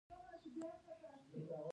بيا په منډو شول.